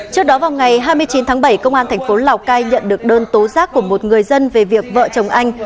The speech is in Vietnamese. trước đó vào ngày hai mươi chín tháng bảy công an thành phố lào cai nhận được đơn tố giác của một người dân về việc vợ chồng anh